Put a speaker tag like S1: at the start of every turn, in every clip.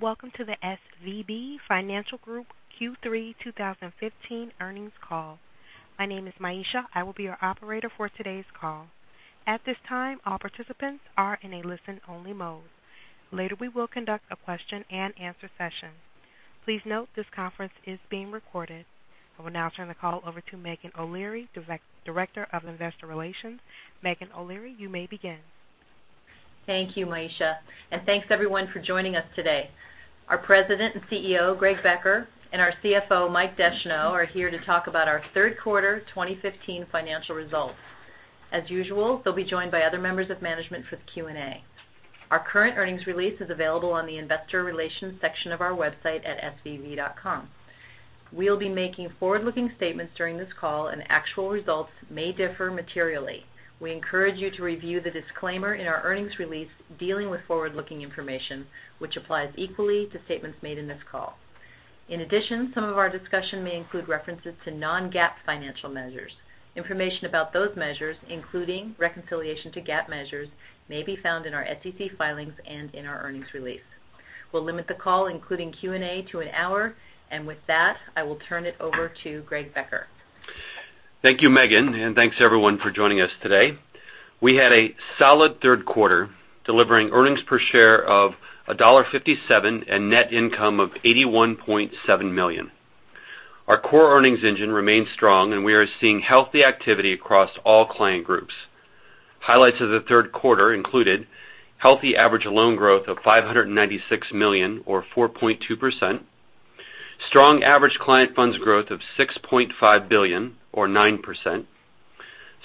S1: Welcome to the SVB Financial Group Q3 2015 earnings call. My name is Maisha. I will be your operator for today's call. At this time, all participants are in a listen-only mode. Later, we will conduct a question and answer session. Please note this conference is being recorded. I will now turn the call over to Meghan O'Leary, Director of Investor Relations. Meghan O'Leary, you may begin.
S2: Thank you, Maisha. Thanks, everyone, for joining us today. Our President and CEO, Greg Becker, and our CFO, Mike Descheneaux, are here to talk about our third quarter 2015 financial results. As usual, they'll be joined by other members of management for the Q&A. Our current earnings release is available on the investor relations section of our website at svb.com. We'll be making forward-looking statements during this call, and actual results may differ materially. We encourage you to review the disclaimer in our earnings release dealing with forward-looking information, which applies equally to statements made in this call. In addition, some of our discussion may include references to non-GAAP financial measures. Information about those measures, including reconciliation to GAAP measures, may be found in our SEC filings and in our earnings release. We'll limit the call, including Q&A, to an hour. With that, I will turn it over to Greg Becker.
S3: Thank you, Meghan. Thanks, everyone, for joining us today. We had a solid third quarter, delivering earnings per share of $1.57 and net income of $81.7 million. Our core earnings engine remains strong, and we are seeing healthy activity across all client groups. Highlights of the third quarter included healthy average loan growth of $596 million or 4.2%, strong average client funds growth of $6.5 billion or 9%,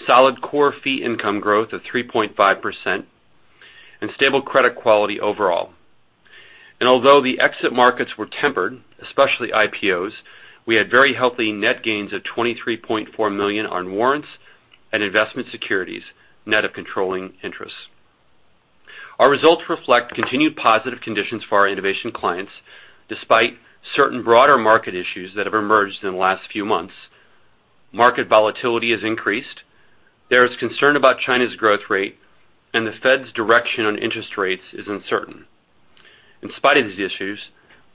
S3: solid core fee income growth of 3.5%, and stable credit quality overall. Although the exit markets were tempered, especially IPOs, we had very healthy net gains of $23.4 million on warrants and investment securities, net of controlling interest. Our results reflect continued positive conditions for our innovation clients, despite certain broader market issues that have emerged in the last few months. Market volatility has increased. There is concern about China's growth rate, and the Fed's direction on interest rates is uncertain. In spite of these issues,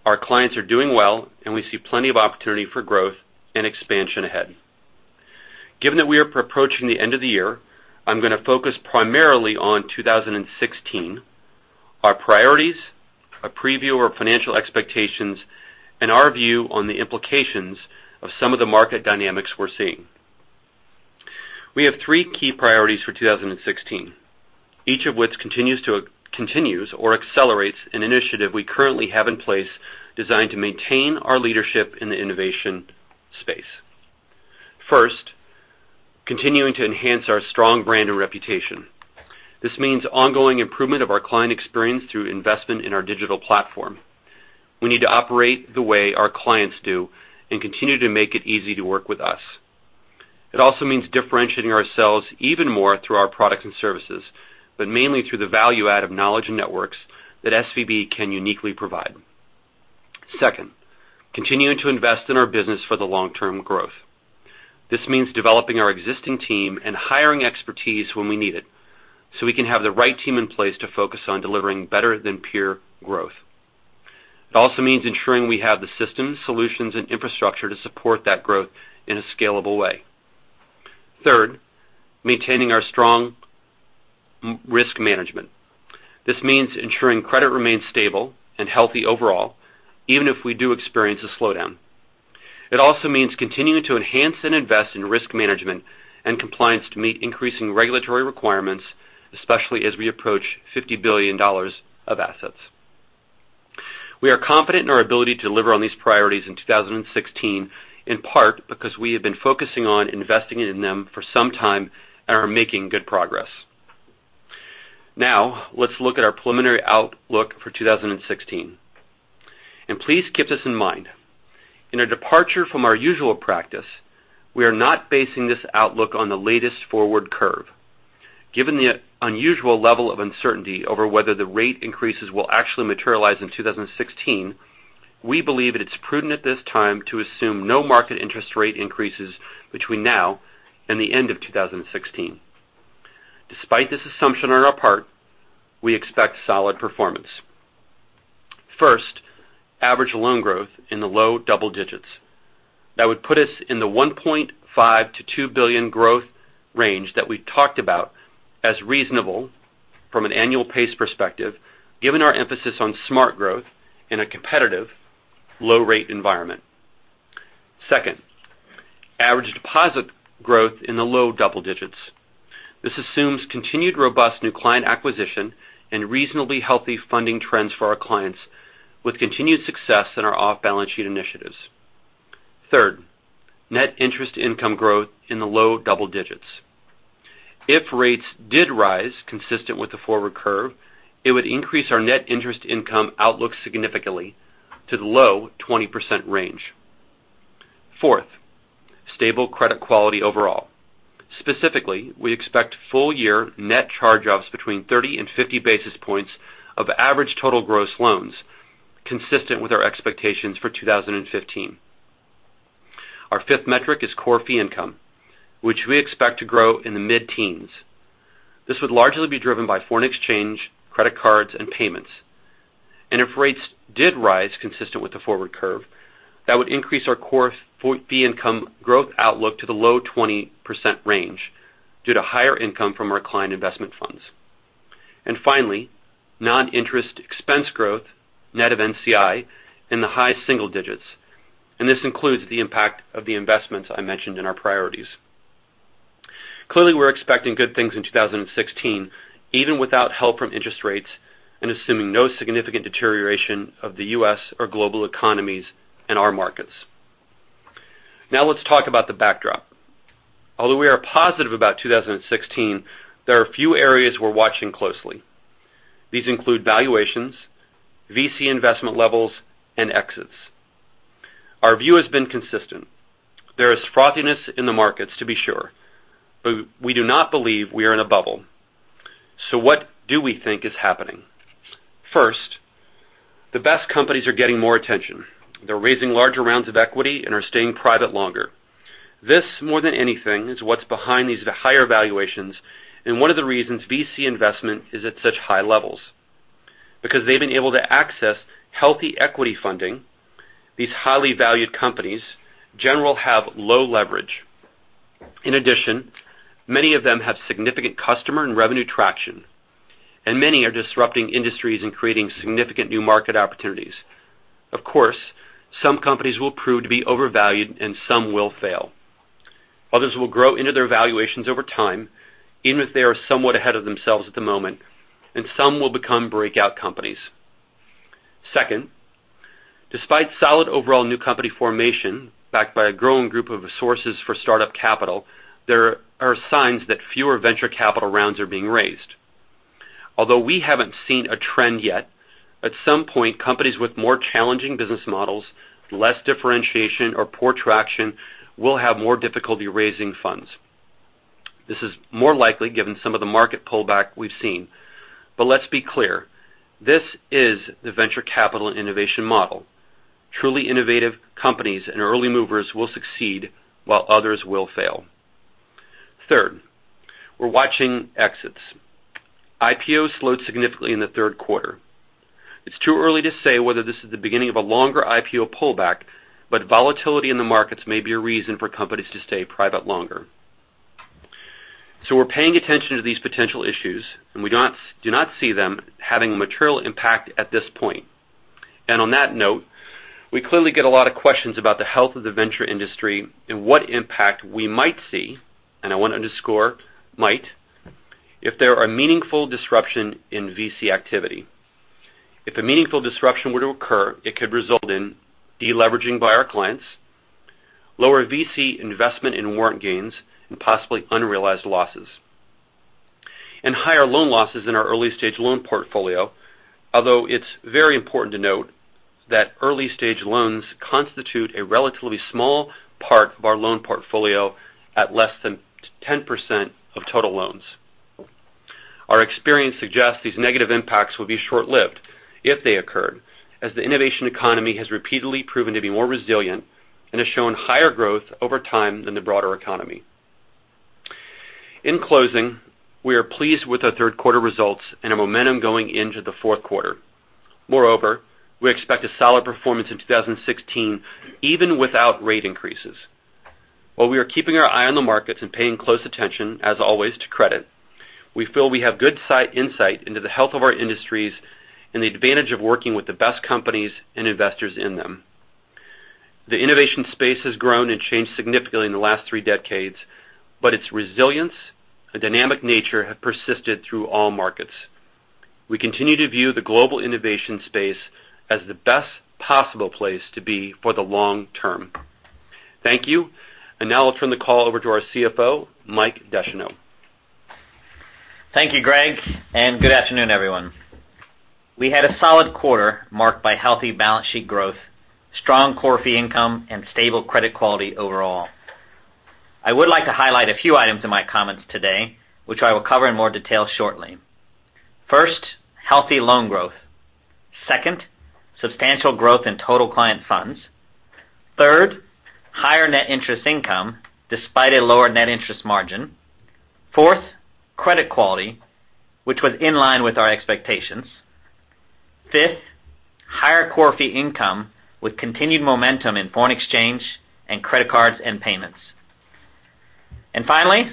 S3: our clients are doing well, and we see plenty of opportunity for growth and expansion ahead. Given that we are approaching the end of the year, I'm going to focus primarily on 2016, our priorities, a preview of our financial expectations, and our view on the implications of some of the market dynamics we're seeing. We have three key priorities for 2016, each of which continues or accelerates an initiative we currently have in place designed to maintain our leadership in the innovation space. First, continuing to enhance our strong brand and reputation. This means ongoing improvement of our client experience through investment in our digital platform. We need to operate the way our clients do and continue to make it easy to work with us. It also means differentiating ourselves even more through our products and services, but mainly through the value add of knowledge and networks that SVB can uniquely provide. Second, continuing to invest in our business for the long-term growth. This means developing our existing team and hiring expertise when we need it, so we can have the right team in place to focus on delivering better than peer growth. It also means ensuring we have the systems, solutions, and infrastructure to support that growth in a scalable way. Third, maintaining our strong risk management. This means ensuring credit remains stable and healthy overall, even if we do experience a slowdown. It also means continuing to enhance and invest in risk management and compliance to meet increasing regulatory requirements, especially as we approach $50 billion of assets. We are confident in our ability to deliver on these priorities in 2016, in part because we have been focusing on investing in them for some time and are making good progress. Now, let's look at our preliminary outlook for 2016. Please keep this in mind. In a departure from our usual practice, we are not basing this outlook on the latest forward curve. Given the unusual level of uncertainty over whether the rate increases will actually materialize in 2016, we believe that it's prudent at this time to assume no market interest rate increases between now and the end of 2016. Despite this assumption on our part, we expect solid performance. First, average loan growth in the low double digits. That would put us in the $1.5 billion-$2 billion growth range that we talked about as reasonable from an annual pace perspective, given our emphasis on smart growth in a competitive low rate environment. Second, average deposit growth in the low double digits. This assumes continued robust new client acquisition and reasonably healthy funding trends for our clients with continued success in our off-balance sheet initiatives. Third, net interest income growth in the low double digits. If rates did rise consistent with the forward curve, it would increase our net interest income outlook significantly to the low 20% range. Fourth, stable credit quality overall. Specifically, we expect full-year net charge-offs between 30 and 50 basis points of average total gross loans, consistent with our expectations for 2015. Our fifth metric is core fee income, which we expect to grow in the mid-teens. This would largely be driven by foreign exchange, credit cards, and payments. If rates did rise consistent with the forward curve, that would increase our core fee income growth outlook to the low 20% range due to higher income from our client investment funds. Finally, non-interest expense growth, net of NCI, in the high single digits. This includes the impact of the investments I mentioned in our priorities. Clearly, we're expecting good things in 2016, even without help from interest rates and assuming no significant deterioration of the U.S. or global economies and our markets. Let's talk about the backdrop. Although we are positive about 2016, there are a few areas we're watching closely. These include valuations, VC investment levels, and exits. Our view has been consistent. There is frothiness in the markets, to be sure, but we do not believe we are in a bubble. What do we think is happening? First, the best companies are getting more attention. They're raising larger rounds of equity and are staying private longer. This, more than anything, is what's behind these higher valuations and one of the reasons VC investment is at such high levels. Because they've been able to access healthy equity funding, these highly valued companies, general, have low leverage. In addition, many of them have significant customer and revenue traction, and many are disrupting industries and creating significant new market opportunities. Of course, some companies will prove to be overvalued and some will fail. Others will grow into their valuations over time, even if they are somewhat ahead of themselves at the moment, and some will become breakout companies. Second, despite solid overall new company formation, backed by a growing group of sources for startup capital, there are signs that fewer venture capital rounds are being raised. Although we haven't seen a trend yet, at some point, companies with more challenging business models, less differentiation or poor traction will have more difficulty raising funds. This is more likely given some of the market pullback we've seen. Let's be clear, this is the venture capital innovation model. Truly innovative companies and early movers will succeed while others will fail. Third, we're watching exits. IPOs slowed significantly in the third quarter. It's too early to say whether this is the beginning of a longer IPO pullback, but volatility in the markets may be a reason for companies to stay private longer. We're paying attention to these potential issues, and we do not see them having a material impact at this point. On that note, we clearly get a lot of questions about the health of the venture industry and what impact we might see, and I want to underscore might, if there are meaningful disruption in VC activity. If a meaningful disruption were to occur, it could result in de-leveraging by our clients, lower VC investment and warrant gains, and possibly unrealized losses, and higher loan losses in our early-stage loan portfolio. Although it's very important to note that early-stage loans constitute a relatively small part of our loan portfolio at less than 10% of total loans. Our experience suggests these negative impacts will be short-lived if they occur, as the innovation economy has repeatedly proven to be more resilient and has shown higher growth over time than the broader economy. In closing, we are pleased with our third quarter results and our momentum going into the fourth quarter. Moreover, we expect a solid performance in 2016, even without rate increases. While we are keeping our eye on the markets and paying close attention, as always, to credit, we feel we have good insight into the health of our industries and the advantage of working with the best companies and investors in them. The innovation space has grown and changed significantly in the last three decades, but its resilience and dynamic nature have persisted through all markets. We continue to view the global innovation space as the best possible place to be for the long term. Thank you. Now I'll turn the call over to our CFO, Mike Descheneaux.
S4: Thank you, Greg. Good afternoon, everyone. We had a solid quarter marked by healthy balance sheet growth, strong core fee income, and stable credit quality overall. I would like to highlight a few items in my comments today, which I will cover in more detail shortly. First, healthy loan growth. Second, substantial growth in total client funds. Third, higher net interest income despite a lower net interest margin. Fourth, credit quality, which was in line with our expectations. Fifth, higher core fee income with continued momentum in foreign exchange and credit cards and payments. Finally,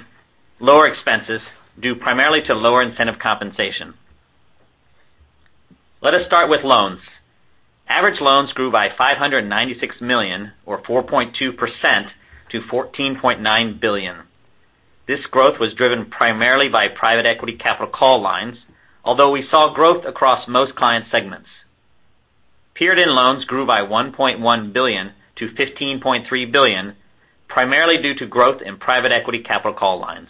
S4: lower expenses due primarily to lower incentive compensation. Let us start with loans. Average loans grew by $596 million or 4.2% to $14.9 billion. This growth was driven primarily by private equity capital call lines, although we saw growth across most client segments. Period-end loans grew by $1.1 billion to $15.3 billion, primarily due to growth in private equity capital call lines.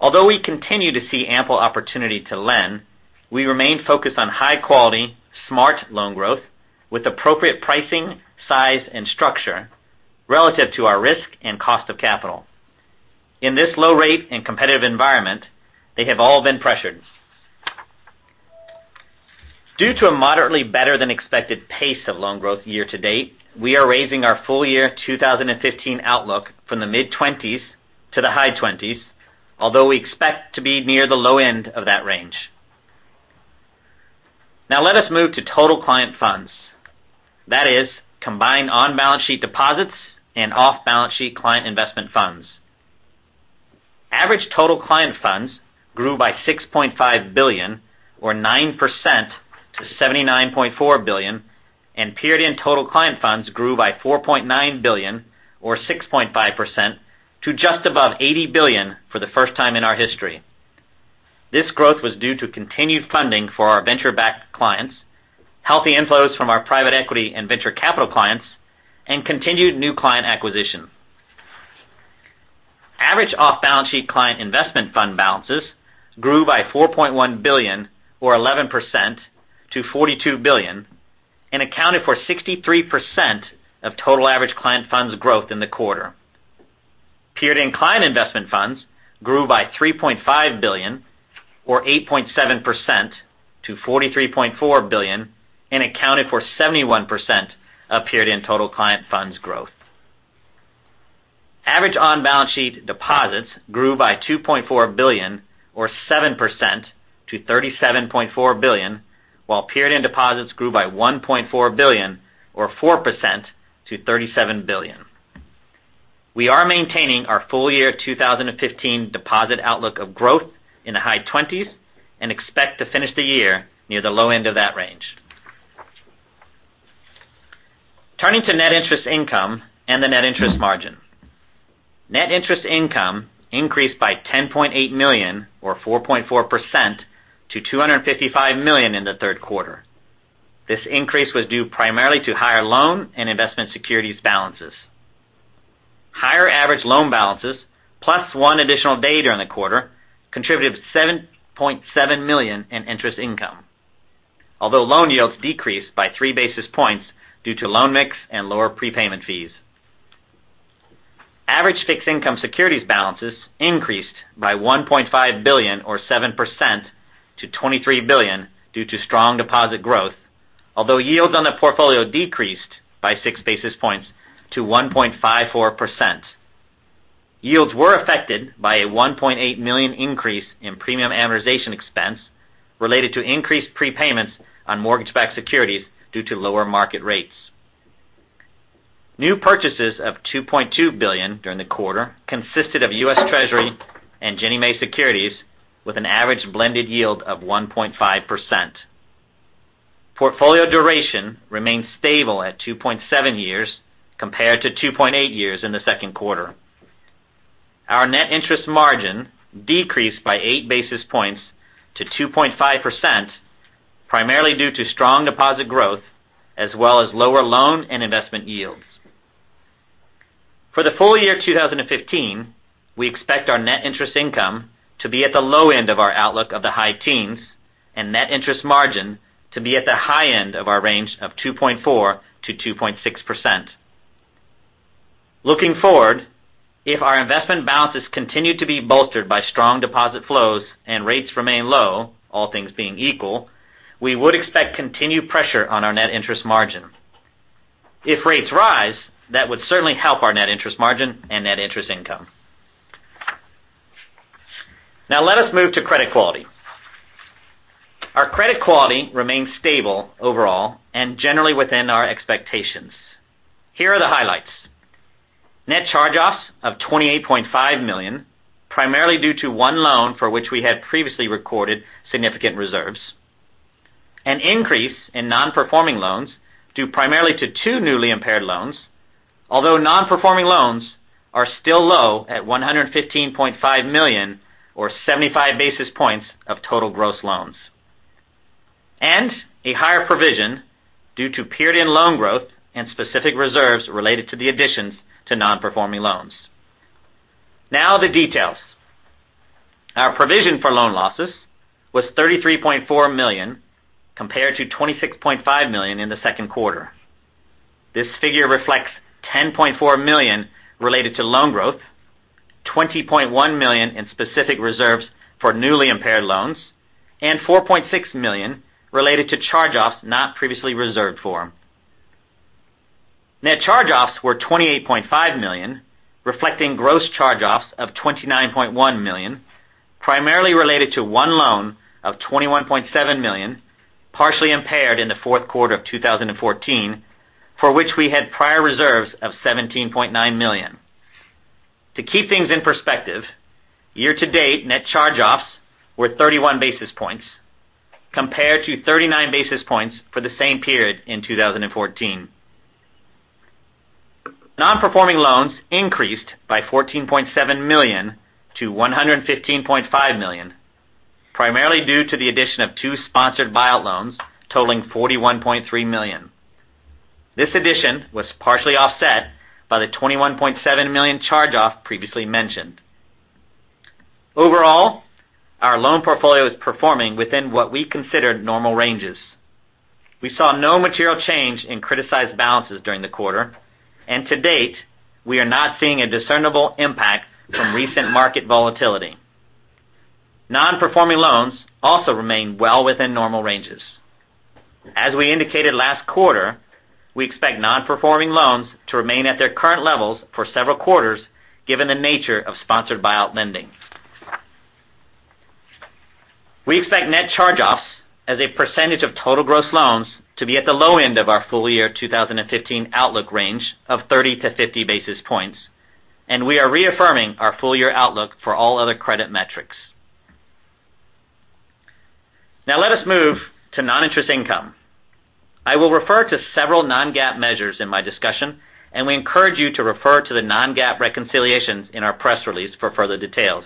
S4: Although we continue to see ample opportunity to lend, we remain focused on high-quality, smart loan growth with appropriate pricing, size, and structure relative to our risk and cost of capital. In this low rate and competitive environment, they have all been pressured. Due to a moderately better than expected pace of loan growth year to date, we are raising our full year 2015 outlook from the mid-20s to the high 20s, although we expect to be near the low end of that range. Let us move to total client funds. That is, combined on-balance sheet deposits and off-balance sheet client investment funds. Average total client funds grew by $6.5 billion or 9% to $79.4 billion, and period-end total client funds grew by $4.9 billion or 6.5% to just above $80 billion for the first time in our history. This growth was due to continued funding for our venture-backed clients, healthy inflows from our private equity and venture capital clients, and continued new client acquisition. Average off-balance sheet client investment fund balances grew by $4.1 billion or 11% to $42 billion and accounted for 63% of total average client funds growth in the quarter. Period-end client investment funds grew by $3.5 billion or 8.7% to $43.4 billion and accounted for 71% of period-end total client funds growth. Average on-balance sheet deposits grew by $2.4 billion or 7% to $37.4 billion, while period-end deposits grew by $1.4 billion or 4% to $37 billion. We are maintaining our full year 2015 deposit outlook of growth in the high 20s and expect to finish the year near the low end of that range. Turning to net interest income and the net interest margin. Net interest income increased by $10.8 million or 4.4% to $255 million in the third quarter. This increase was due primarily to higher loan and investment securities balances. Higher average loan balances plus one additional day during the quarter contributed $7.7 million in interest income. Although loan yields decreased by three basis points due to loan mix and lower prepayment fees. Average fixed income securities balances increased by $1.5 billion or 7% to $23 billion due to strong deposit growth. Although yields on the portfolio decreased by six basis points to 1.54%. Yields were affected by a $1.8 million increase in premium amortization expense related to increased prepayments on mortgage-backed securities due to lower market rates. New purchases of $2.2 billion during the quarter consisted of U.S. Treasury and Ginnie Mae securities with an average blended yield of 1.5%. Portfolio duration remained stable at 2.7 years compared to 2.8 years in the second quarter. Our net interest margin decreased by eight basis points to 2.5%, primarily due to strong deposit growth as well as lower loan and investment yields. For the full year 2015, we expect our net interest income to be at the low end of our outlook of the high teens and net interest margin to be at the high end of our range of 2.4%-2.6%. Looking forward, if our investment balances continue to be bolstered by strong deposit flows and rates remain low, all things being equal, we would expect continued pressure on our net interest margin. If rates rise, that would certainly help our net interest margin and net interest income. Now let us move to credit quality. Our credit quality remains stable overall and generally within our expectations. Here are the highlights. Net charge-offs of $28.5 million, primarily due to one loan for which we had previously recorded significant reserves. An increase in non-performing loans due primarily to two newly impaired loans, although non-performing loans are still low at $115.5 million or 75 basis points of total gross loans. A higher provision due to period-end loan growth and specific reserves related to the additions to non-performing loans. Now the details. Our provision for loan losses was $33.4 million compared to $26.5 million in the second quarter. This figure reflects $10.4 million related to loan growth, $20.1 million in specific reserves for newly impaired loans, and $4.6 million related to charge-offs not previously reserved for. Net charge-offs were $28.5 million, reflecting gross charge-offs of $29.1 million, primarily related to one loan of $21.7 million, partially impaired in the fourth quarter of 2014, for which we had prior reserves of $17.9 million. To keep things in perspective, year-to-date, net charge-offs were 31 basis points compared to 39 basis points for the same period in 2014. Non-Performing Loans increased by $14.7 million to $115.5 million, primarily due to the addition of two sponsored buyout loans totaling $41.3 million. This addition was partially offset by the $21.7 million charge-off previously mentioned. Overall, our loan portfolio is performing within what we consider normal ranges. We saw no material change in criticized balances during the quarter. To date, we are not seeing a discernible impact from recent market volatility. Non-Performing Loans also remain well within normal ranges. As we indicated last quarter, we expect Non-Performing Loans to remain at their current levels for several quarters, given the nature of sponsored buyout lending. We expect net charge-offs as a percentage of total gross loans to be at the low end of our full-year 2015 outlook range of 30 to 50 basis points, and we are reaffirming our full-year outlook for all other credit metrics. Now let us move to non-interest income. I will refer to several non-GAAP measures in my discussion, and we encourage you to refer to the non-GAAP reconciliations in our press release for further details.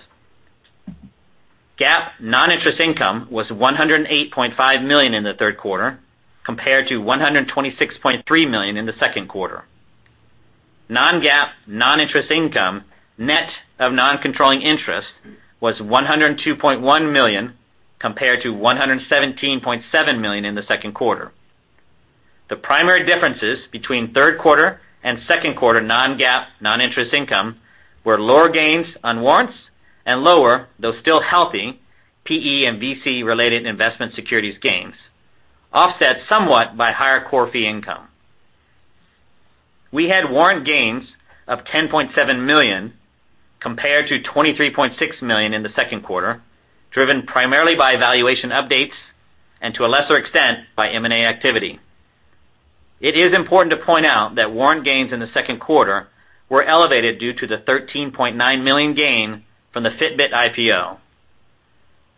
S4: GAAP non-interest income was $108.5 million in the third quarter, compared to $126.3 million in the second quarter. non-GAAP non-interest income, net of Non-Controlling Interest, was $102.1 million, compared to $117.7 million in the second quarter. The primary differences between third quarter and second quarter non-GAAP non-interest income were lower gains on warrants and lower, though still healthy, PE and VC related investment securities gains, offset somewhat by higher core fee income. We had warrant gains of $10.7 million, compared to $23.6 million in the second quarter, driven primarily by valuation updates and to a lesser extent, by M&A activity. It is important to point out that warrant gains in the second quarter were elevated due to the $13.9 million gain from the Fitbit IPO.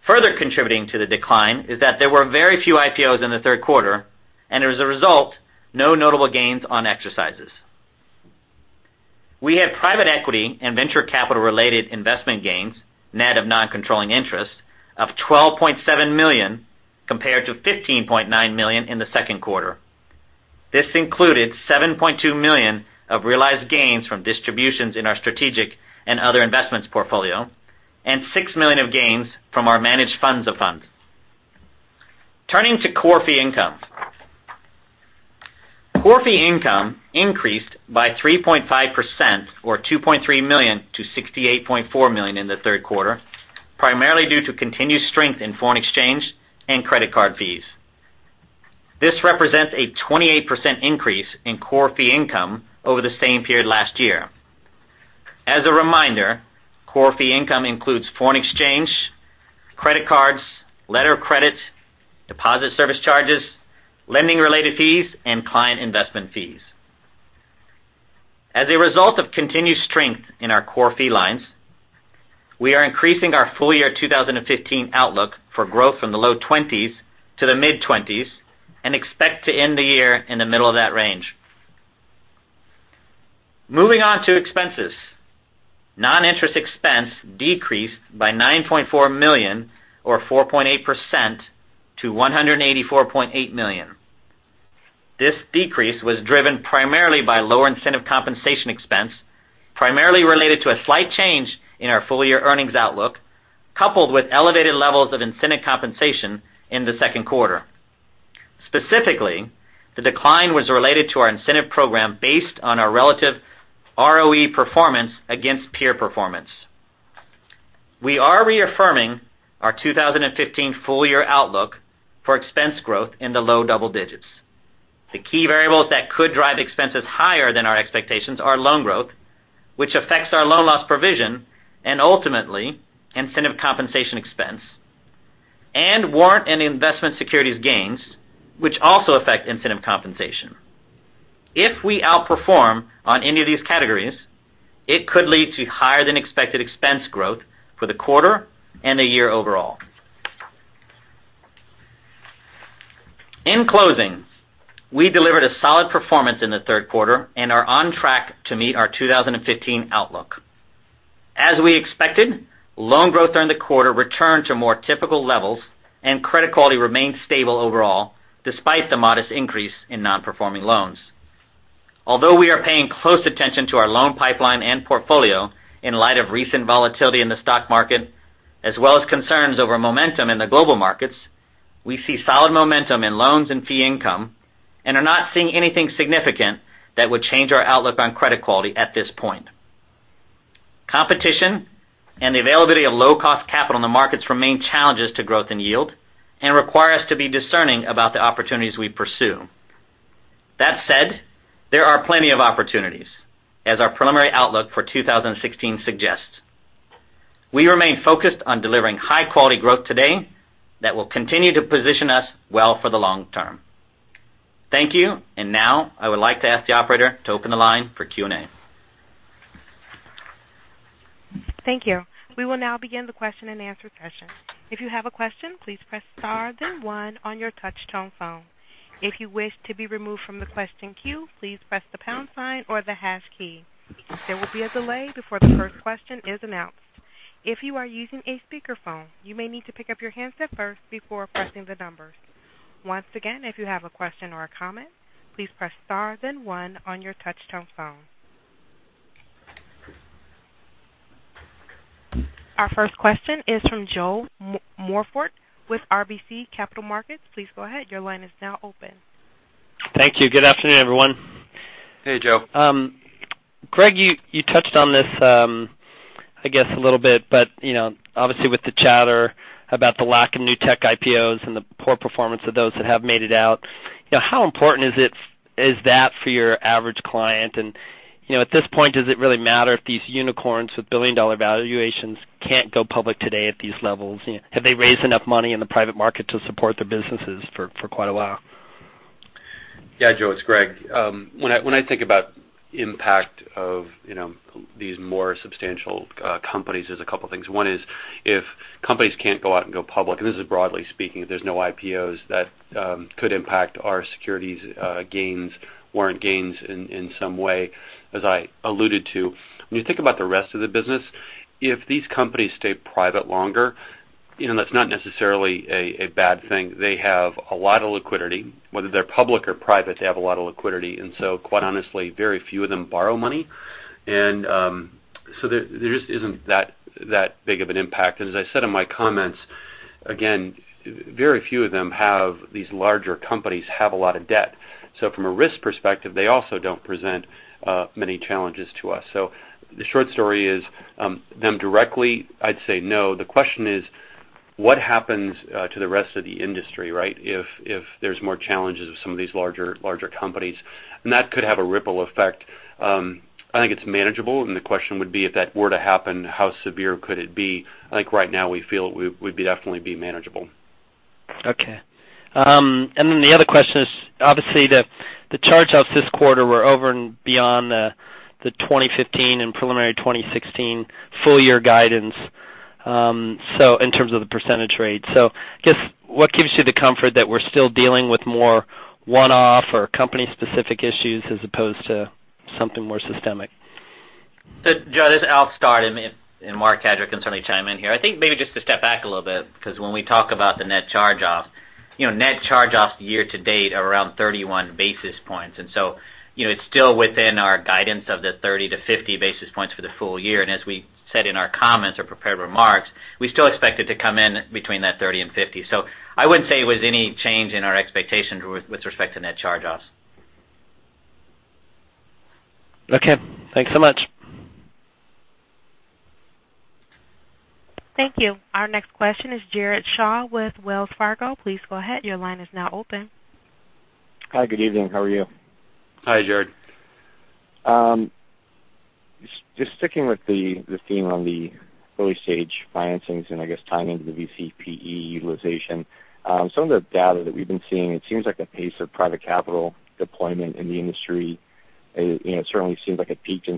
S4: Further contributing to the decline is that there were very few IPOs in the third quarter, and as a result, no notable gains on exercises. We had private equity and venture capital related investment gains, net of Non-Controlling Interest, of $12.7 million, compared to $15.9 million in the second quarter. This included $7.2 million of realized gains from distributions in our strategic and other investments portfolio and $6 million of gains from our managed funds of funds. Turning to core fee income. Core fee income increased by 3.5% or $2.3 million to $68.4 million in the third quarter, primarily due to continued strength in Foreign Exchange and credit card fees. This represents a 28% increase in core fee income over the same period last year. As a reminder, core fee income includes Foreign Exchange, credit cards, letter of credit, deposit service charges, lending related fees, and client investment fees. As a result of continued strength in our core fee lines, we are increasing our full year 2015 outlook for growth from the low 20s to the mid-20s and expect to end the year in the middle of that range. Moving on to expenses. Non-interest expense decreased by $9.4 million or 4.8% to $184.8 million. This decrease was driven primarily by lower incentive compensation expense, primarily related to a slight change in our full year earnings outlook, coupled with elevated levels of incentive compensation in the second quarter. Specifically, the decline was related to our incentive program based on our relative ROE performance against peer performance. We are reaffirming our 2015 full year outlook for expense growth in the low double digits. The key variables that could drive expenses higher than our expectations are loan growth, which affects our loan loss provision and ultimately incentive compensation expense, and warrant and investment securities gains, which also affect incentive compensation. If we outperform on any of these categories, it could lead to higher than expected expense growth for the quarter and the year overall. In closing, we delivered a solid performance in the third quarter and are on track to meet our 2015 outlook. As we expected, loan growth during the quarter returned to more typical levels and credit quality remained stable overall, despite the modest increase in non-performing loans. Although we are paying close attention to our loan pipeline and portfolio in light of recent volatility in the stock market, as well as concerns over momentum in the global markets, we see solid momentum in loans and fee income and are not seeing anything significant that would change our outlook on credit quality at this point. Competition and the availability of low-cost capital in the markets remain challenges to growth and yield and require us to be discerning about the opportunities we pursue. That said, there are plenty of opportunities, as our preliminary outlook for 2016 suggests. We remain focused on delivering high-quality growth today that will continue to position us well for the long term. Thank you. Now I would like to ask the operator to open the line for Q&A.
S1: Thank you. We will now begin the question and answer session. If you have a question, please press star then one on your touch-tone phone. If you wish to be removed from the question queue, please press the pound sign or the hash key. There will be a delay before the first question is announced. If you are using a speakerphone, you may need to pick up your handset first before pressing the numbers. Once again, if you have a question or a comment, please press star then one on your touch-tone phone. Our first question is from Joe Morford with RBC Capital Markets. Please go ahead. Your line is now open.
S5: Thank you. Good afternoon, everyone.
S3: Hey, Joe.
S5: Greg, you touched on this, I guess a little bit, but obviously with the chatter about the lack of new tech IPOs and the poor performance of those that have made it out, how important is that for your average client? At this point, does it really matter if these unicorns with billion-dollar valuations can't go public today at these levels? Have they raised enough money in the private market to support their businesses for quite a while?
S3: Yeah, Joe, it's Greg. When I think about impact of these more substantial companies, there's a couple of things. One is if companies can't go out and go public, and this is broadly speaking, if there's no IPOs, that could impact our securities gains, warrant gains in some way, as I alluded to. When you think about the rest of the business, if these companies stay private longer, that's not necessarily a bad thing. They have a lot of liquidity. Whether they're public or private, they have a lot of liquidity, quite honestly, very few of them borrow money. There just isn't that big of an impact. As I said in my comments, again, very few of them, these larger companies, have a lot of debt. From a risk perspective, they also don't present many challenges to us. The short story is, them directly, I'd say no. The question is what happens to the rest of the industry, right, if there's more challenges with some of these larger companies. That could have a ripple effect. I think it's manageable, and the question would be if that were to happen, how severe could it be? I think right now we feel it would definitely be manageable.
S5: Okay. The other question is, obviously the charge-offs this quarter were over and beyond the 2015 and preliminary 2016 full-year guidance, so in terms of the percentage rate. I guess what gives you the comfort that we're still dealing with more one-off or company-specific issues as opposed to something more systemic?
S6: Joe, this is Alf Stark, and Marc Cadieux can certainly chime in here. I think maybe just to step back a little bit, because when we talk about the net charge-offs, net charge-offs year to date are around 31 basis points. It's still within our guidance of the 30-50 basis points for the full year. As we said in our comments or prepared remarks, we still expect it to come in between that 30 and 50. I wouldn't say it was any change in our expectations with respect to net charge-offs.
S5: Okay. Thanks so much.
S1: Thank you. Our next question is Jared Shaw with Wells Fargo. Please go ahead. Your line is now open.
S7: Hi, good evening. How are you?
S3: Hi, Jared.
S7: Just sticking with the theme on the early-stage financings and I guess tying into the VC PE utilization. Some of the data that we've been seeing, it certainly seems like it peaked in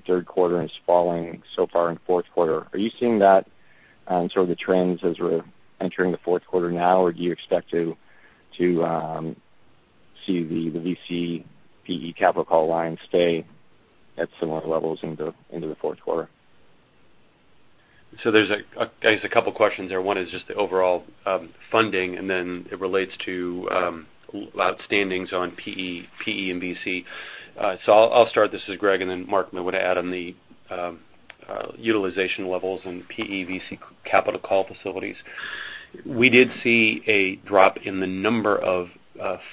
S7: third quarter and it's falling so far in fourth quarter. Are you seeing that sort of the trends as we're entering the fourth quarter now, or do you expect to see the VC PE capital call lines stay at similar levels into the fourth quarter?
S3: There's, I guess, a couple questions there. One is just the overall funding, and then it relates to outstandings on PE and VC. I'll start. This is Greg, and then Mark may want to add on the utilization levels and PE VC capital call facilities. We did see a drop in the number of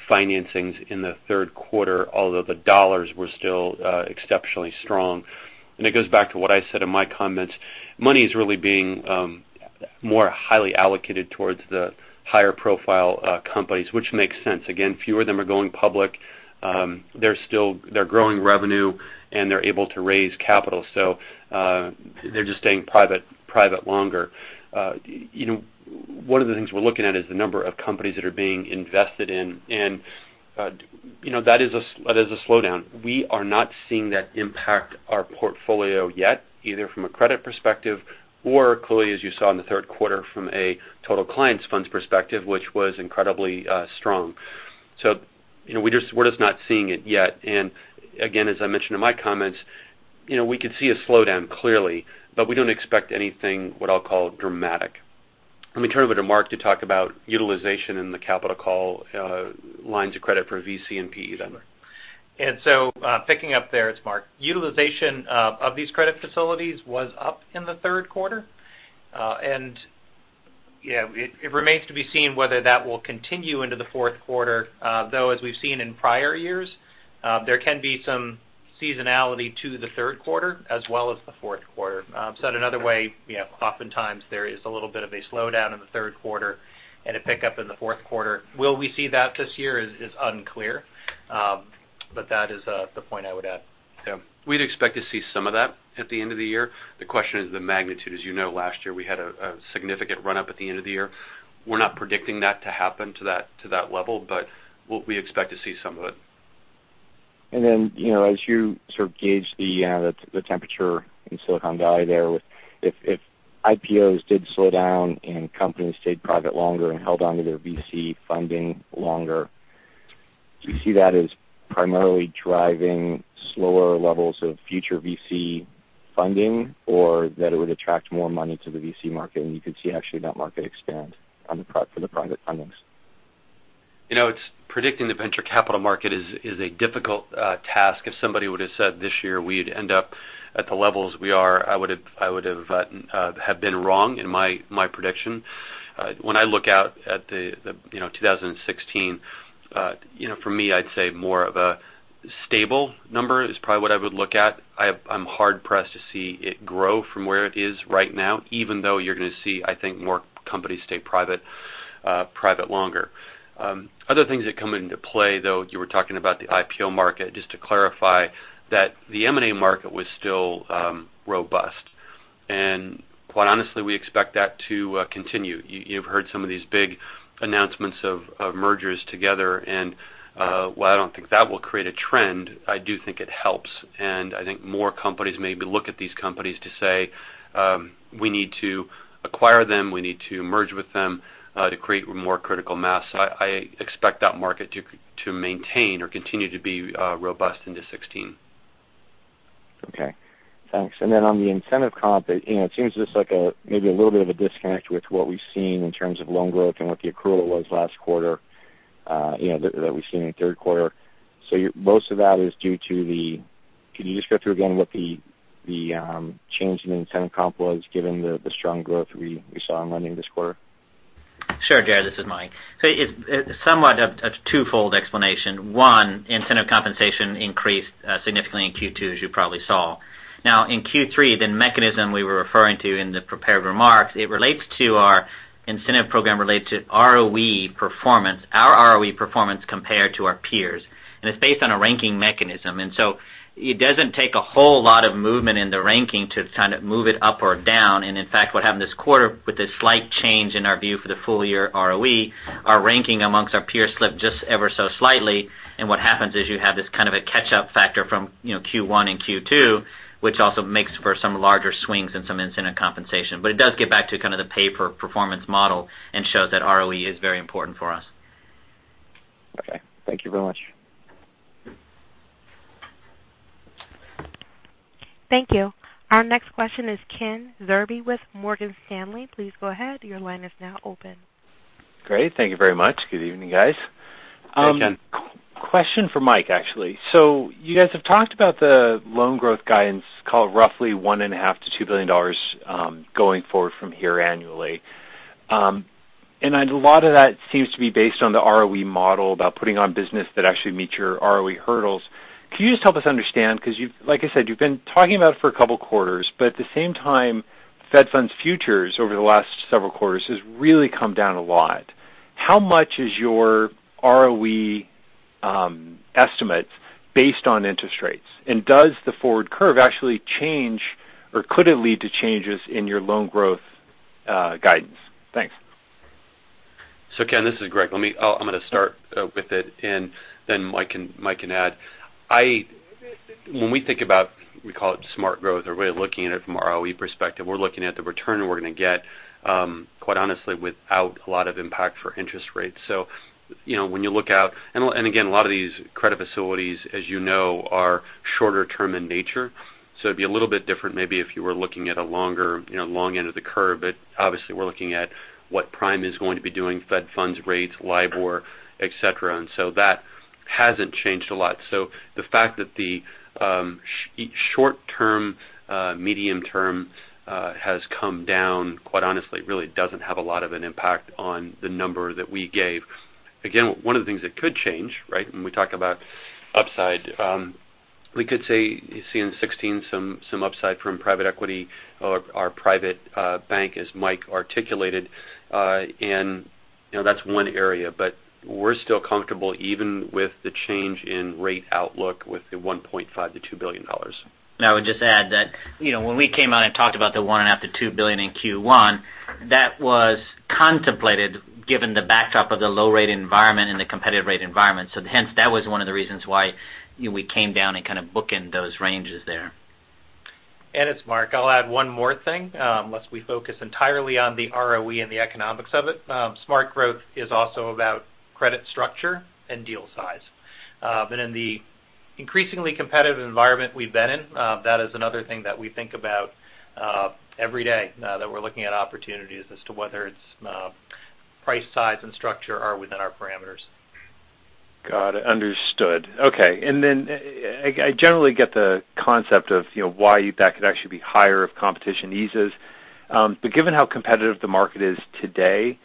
S3: financings in the third quarter, although the dollars were still exceptionally strong. It goes back to what I said in my comments. Money is really being more highly allocated towards the higher profile companies, which makes sense. Again, fewer of them are going public. They're growing revenue and they're able to raise capital. They're just staying private longer. One of the things we're looking at is the number of companies that are being invested in, and that is a slowdown. We are not seeing that impact our portfolio yet, either from a credit perspective or clearly, as you saw in the third quarter, from a total clients funds perspective, which was incredibly strong. We're just not seeing it yet, and again, as I mentioned in my comments, we could see a slowdown clearly, but we don't expect anything, what I'll call dramatic. Let me turn it over to Mark to talk about utilization in the capital call lines of credit for VC and PE then.
S8: Picking up there, it's Mark. Utilization of these credit facilities was up in the third quarter. It remains to be seen whether that will continue into the fourth quarter. Though as we've seen in prior years, there can be some seasonality to the third quarter as well as the fourth quarter. Said another way, oftentimes there is a little bit of a slowdown in the third quarter and a pickup in the fourth quarter. Will we see that this year is unclear. That is the point I would add. Yeah.
S3: We'd expect to see some of that at the end of the year. The question is the magnitude. As you know, last year we had a significant run-up at the end of the year. We're not predicting that to happen to that level, but we expect to see some of it.
S7: As you sort of gauge the temperature in Silicon Valley there, if IPOs did slow down and companies stayed private longer and held onto their VC funding longer, do you see that as primarily driving slower levels of future VC funding or that it would attract more money to the VC market and you could see actually that market expand for the private fundings?
S3: It's predicting the venture capital market is a difficult task. If somebody would've said this year we'd end up at the levels we are, I would have been wrong in my prediction. When I look out at 2016, for me, I'd say more of a stable number is probably what I would look at. I'm hard pressed to see it grow from where it is right now, even though you're going to see, I think, more companies stay private longer. Other things that come into play, though, you were talking about the IPO market, just to clarify that the M&A market was still robust. Quite honestly, we expect that to continue. You've heard some of these big announcements of mergers together, while I don't think that will create a trend, I do think it helps, and I think more companies maybe look at these companies to say, "We need to acquire them. We need to merge with them, to create more critical mass." I expect that market to maintain or continue to be robust into 2016.
S7: Okay, thanks. On the incentive comp, it seems just like maybe a little bit of a disconnect with what we've seen in terms of loan growth and what the accrual was last quarter, that we've seen in the third quarter. Could you just go through again what the change in incentive comp was, given the strong growth we saw in lending this quarter?
S4: Sure, Jared, this is Mike. It's somewhat a twofold explanation. One, incentive compensation increased significantly in Q2, as you probably saw. In Q3, the mechanism we were referring to in the prepared remarks, it relates to our incentive program related to ROE performance, our ROE performance compared to our peers, and it's based on a ranking mechanism. It doesn't take a whole lot of movement in the ranking to kind of move it up or down. In fact, what happened this quarter with a slight change in our view for the full year ROE, our ranking amongst our peers slipped just ever so slightly. What happens is you have this kind of a catch-up factor from Q1 and Q2, which also makes for some larger swings in some incentive compensation. It does get back to kind of the pay for performance model and shows that ROE is very important for us.
S7: Okay. Thank you very much.
S1: Thank you. Our next question is Kenneth Zerbe with Morgan Stanley. Please go ahead. Your line is now open.
S9: Great. Thank you very much. Good evening, guys.
S3: Hey, Ken.
S9: Question for Mike, actually. You guys have talked about the loan growth guidance call roughly $1.5 billion-$2 billion, going forward from here annually. A lot of that seems to be based on the ROE model about putting on business that actually meets your ROE hurdles. Can you just help us understand, because like I said, you've been talking about it for a couple of quarters, at the same time, Fed Funds Futures over the last several quarters has really come down a lot. How much is your ROE estimates based on interest rates, and does the forward curve actually change, or could it lead to changes in your loan growth guidance? Thanks.
S3: Ken, this is Greg. I'm going to start with it, and then Mike can add. When we think about, we call it smart growth, or we're looking at it from an ROE perspective, we're looking at the return we're going to get, quite honestly, without a lot of impact for interest rates. When you look out, again, a lot of these credit facilities, as you know, are shorter term in nature. It'd be a little bit different maybe if you were looking at a long end of the curve. Obviously, we're looking at what prime is going to be doing, Fed funds rates, LIBOR, et cetera. That hasn't changed a lot. The fact that the short-term, medium-term has come down, quite honestly, really doesn't have a lot of an impact on the number that we gave. One of the things that could change, right, when we talk about upside. We could see in 2016 some upside from private equity or our private bank, as Mike articulated. That's one area, but we're still comfortable even with the change in rate outlook with the $1.5 billion-$2 billion.
S4: I would just add that when we came out and talked about the $1.5 billion-$2 billion in Q1, that was contemplated, given the backdrop of the low rate environment and the competitive rate environment. Hence, that was one of the reasons why we came down and kind of bookended those ranges there.
S8: It's Marc. I'll add one more thing, unless we focus entirely on the ROE and the economics of it. Smart growth is also about credit structure and deal size. In the increasingly competitive environment we've been in, that is another thing that we think about every day now that we're looking at opportunities as to whether its price, size, and structure are within our parameters.
S9: Got it. Understood. Okay. I generally get the concept of why that could actually be higher if competition eases. Given how competitive the market is today,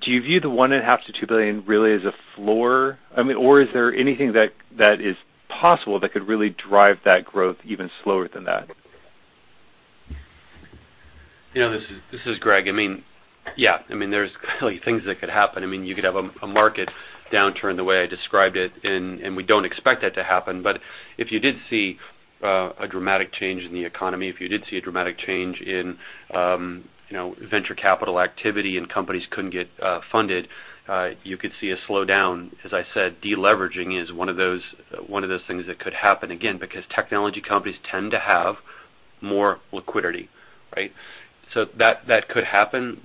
S9: do you view the $1.5 billion-$2 billion really as a floor? I mean, or is there anything that is possible that could really drive that growth even slower than that?
S3: This is Greg. I mean, yeah. There's clearly things that could happen. You could have a market downturn the way I described it, we don't expect that to happen. If you did see a dramatic change in the economy, if you did see a dramatic change in venture capital activity and companies couldn't get funded, you could see a slowdown. As I said, de-leveraging is one of those things that could happen, again, because technology companies tend to have more liquidity, right? That could happen.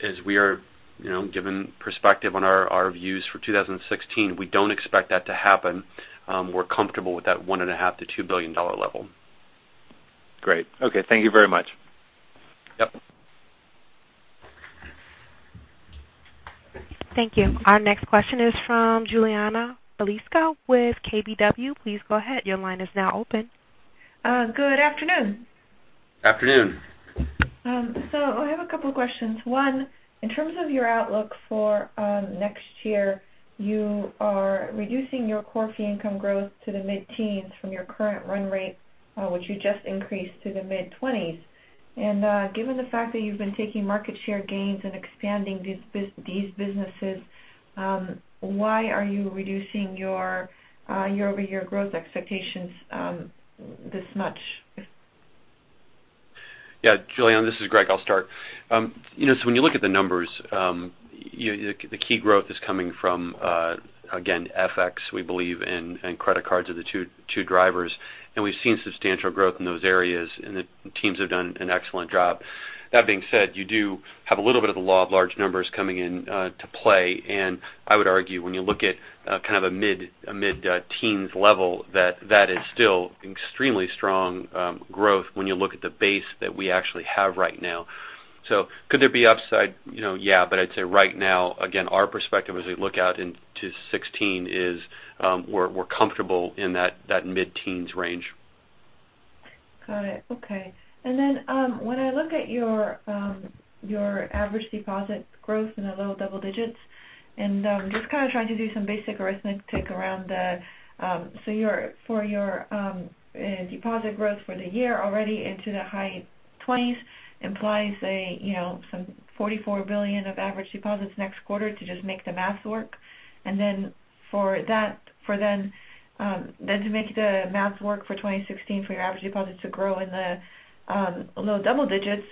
S3: As we are giving perspective on our views for 2016, we don't expect that to happen. We're comfortable with that $1.5 billion-$2 billion level. Great. Okay. Thank you very much.
S4: Yep.
S1: Thank you. Our next question is from Julianna Balicka with KBW. Please go ahead. Your line is now open.
S10: Good afternoon.
S4: Afternoon.
S10: I have a couple questions. One, in terms of your outlook for next year, you are reducing your core fee income growth to the mid-teens from your current run rate, which you just increased to the mid-twenties. Given the fact that you've been taking market share gains and expanding these businesses, why are you reducing your year-over-year growth expectations this much?
S3: Yeah. Julianna, this is Greg. I'll start. When you look at the numbers, the key growth is coming from, again, FX, we believe, and credit cards are the two drivers. We've seen substantial growth in those areas, and the teams have done an excellent job. That being said, you do have a little bit of the law of large numbers coming into play. I would argue when you look at kind of a mid-teens level, that that is still extremely strong growth when you look at the base that we actually have right now. Could there be upside? Yeah. I'd say right now, again, our perspective as we look out into 2016 is, we're comfortable in that mid-teens range.
S10: Got it. Okay. Then, when I look at your average deposit growth in the low double digits, I'm just kind of trying to do some basic arithmetic. For your deposit growth for the year already into the high twenties implies some $44 billion of average deposits next quarter to just make the math work. Then to make the math work for 2016 for your average deposits to grow in the low double digits,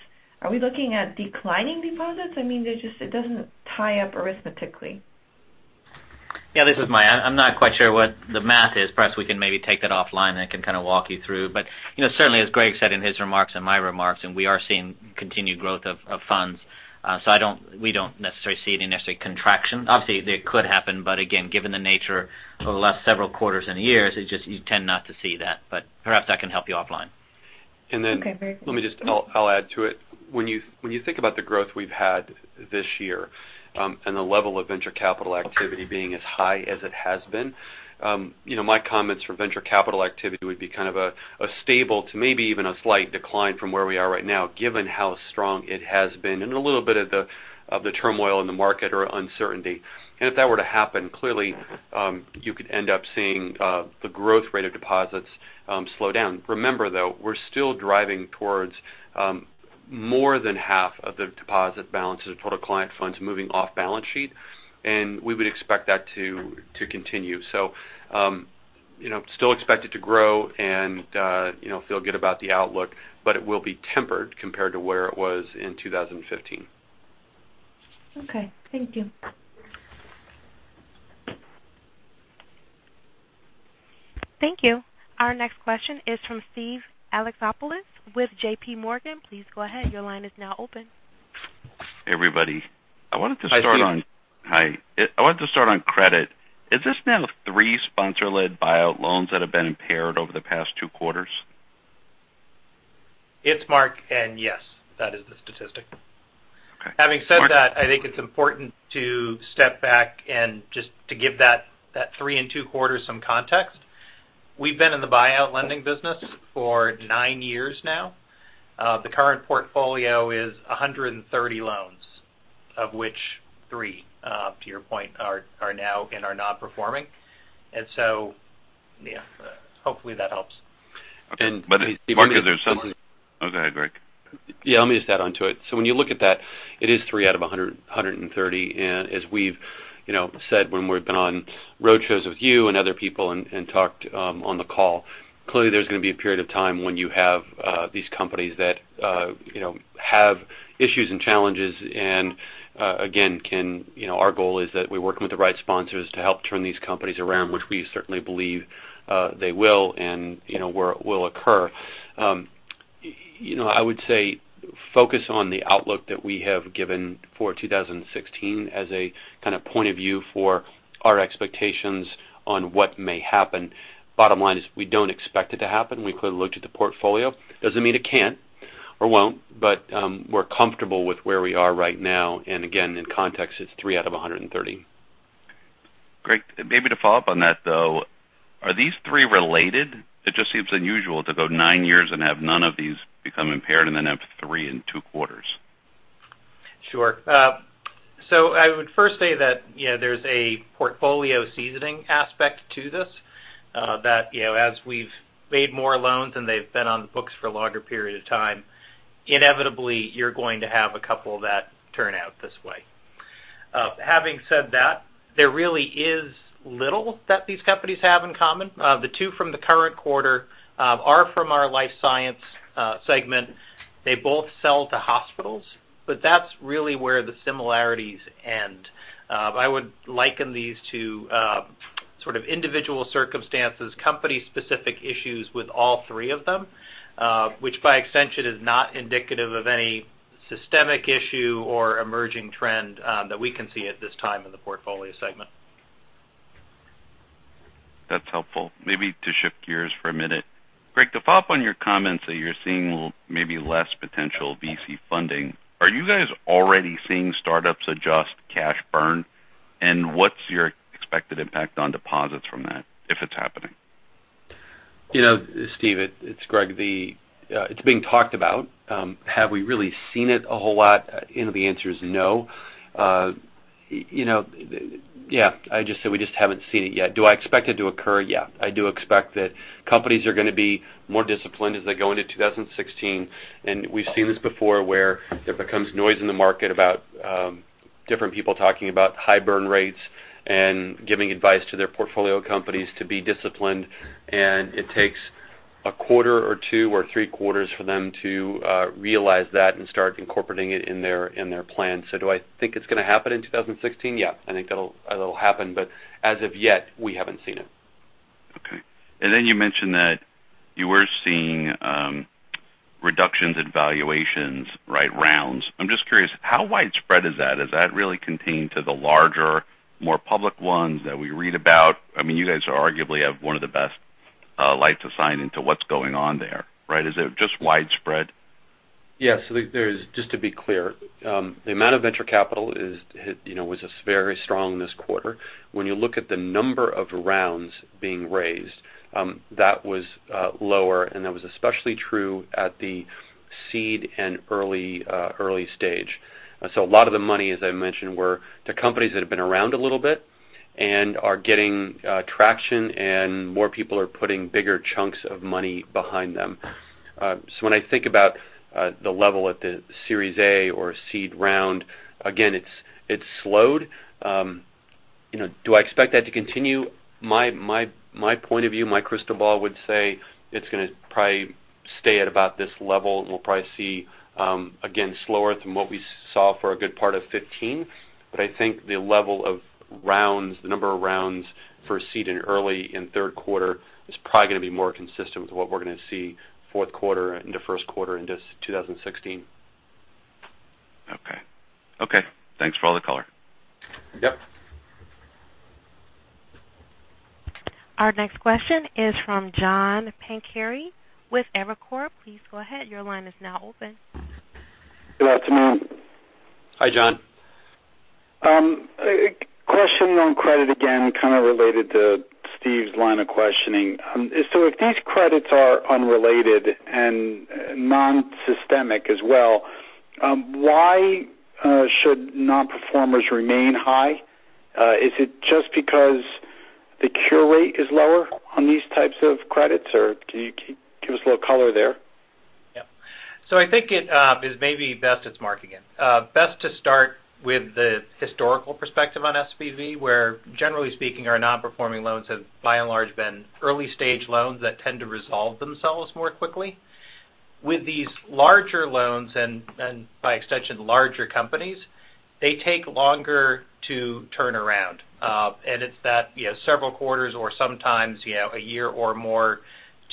S10: are we looking at declining deposits? I mean, it doesn't tie up arithmetically.
S4: Yeah. This is Maya. I'm not quite sure what the math is. Perhaps we can maybe take that offline, and I can kind of walk you through. Certainly, as Greg said in his remarks and my remarks, we are seeing continued growth of funds. We don't necessarily see any necessary contractions. Obviously, they could happen, again, given the nature of the last several quarters and years, you tend not to see that. Perhaps I can help you offline.
S10: Okay. Great.
S3: Let me just I'll add to it. When you think about the growth we've had this year, and the level of venture capital activity being as high as it has been, my comments for venture capital activity would be kind of a stable to maybe even a slight decline from where we are right now, given how strong it has been and a little bit of the turmoil in the market or uncertainty. If that were to happen, clearly, you could end up seeing the growth rate of deposits slow down. Remember though, we're still driving towards more than half of the deposit balances, total client funds moving off balance sheet, and we would expect that to continue. Still expect it to grow and feel good about the outlook, but it will be tempered compared to where it was in 2015.
S10: Okay. Thank you.
S1: Thank you. Our next question is from Steven Alexopoulos with JPMorgan. Please go ahead. Your line is now open.
S11: Hey, everybody. I wanted to start.
S4: Hi, Steve.
S11: Hi. I wanted to start on credit. Is this now three sponsor-led buyout loans that have been impaired over the past two quarters?
S8: It's Mark, and yes, that is the statistic. Okay. Having said that, I think it's important to step back and just to give that three and two quarters some context. We've been in the buyout lending business for nine years now. The current portfolio is 130 loans, of which three, to your point, are now and are not performing. Yeah. Hopefully, that helps.
S3: Even if.
S11: Is there something, okay, Greg.
S3: Yeah, let me just add onto it. When you look at that, it is three out of 130. As we've said when we've been on roadshows with you and other people and talked on the call, clearly there's going to be a period of time when you have these companies that have issues and challenges and, again, our goal is that we work with the right sponsors to help turn these companies around, which we certainly believe they will and will occur. I would say focus on the outlook that we have given for 2016 as a kind of point of view for our expectations on what may happen. Bottom line is we don't expect it to happen. We clearly looked at the portfolio. Doesn't mean it can't or won't, but we're comfortable with where we are right now. Again, in context, it's three out of 130.
S11: Great. Maybe to follow up on that, though, are these three related? It just seems unusual to go nine years and have none of these become impaired and then have three in two quarters.
S4: Sure. I would first say that there's a portfolio seasoning aspect to this that as we've made more loans and they've been on the books for a longer period of time, inevitably, you're going to have a couple that turn out this way. Having said that, there really is little that these companies have in common. The two from the current quarter are from our life science segment. They both sell to hospitals, but that's really where the similarities end. I would liken these to sort of individual circumstances, company specific issues with all three of them, which by extension is not indicative of any systemic issue or emerging trend that we can see at this time in the portfolio segment.
S11: That's helpful. Maybe to shift gears for a minute. Greg, to follow up on your comments that you're seeing maybe less potential VC funding, are you guys already seeing startups adjust cash burn? What's your expected impact on deposits from that, if it's happening?
S3: Steve, it's Greg. It's being talked about. Have we really seen it a whole lot? The answer is no. I just said we just haven't seen it yet. Do I expect it to occur? Yeah. I do expect that companies are going to be more disciplined as they go into 2016. We've seen this before where there becomes noise in the market about different people talking about high burn rates and giving advice to their portfolio companies to be disciplined. It takes a quarter or two or three quarters for them to realize that and start incorporating it in their plans. Do I think it's going to happen in 2016? Yeah, I think that'll happen. As of yet, we haven't seen it.
S11: Okay. You mentioned that you were seeing reductions in valuation rounds. I'm just curious, how widespread is that? Does that really pertain to the larger, more public ones that we read about? You guys arguably have one of the best insights into what's going on there, right? Is it just widespread?
S3: Yeah. Just to be clear, the amount of venture capital was very strong this quarter. When you look at the number of rounds being raised, that was lower, and that was especially true at the seed and early stage. A lot of the money, as I mentioned, were the companies that have been around a little bit and are getting traction and more people are putting bigger chunks of money behind them. When I think about the level at the Series A or seed round, again, it's slowed. Do I expect that to continue? My point of view, my crystal ball would say it's going to probably stay at about this level. We'll probably see, again, slower than what we saw for a good part of 2015. I think the level of rounds, the number of rounds for seed in early in third quarter is probably going to be more consistent with what we're going to see fourth quarter into first quarter into 2016.
S11: Okay. Thanks for all the color.
S3: Yep.
S1: Our next question is from John Pankey with Evercore. Please go ahead. Your line is now open.
S12: Good afternoon.
S3: Hi, John.
S12: A question on credit again, kind of related to Steve's line of questioning. If these credits are unrelated and non-systemic as well, why should non-performers remain high? Is it just because the cure rate is lower on these types of credits, or can you give us a little color there?
S8: Yep. It's Mark again. Best to start with the historical perspective on SVB, where generally speaking, our non-performing loans have by and large been early-stage loans that tend to resolve themselves more quickly. With these larger loans and by extension, larger companies, they take longer to turn around. It's that several quarters or sometimes a year or more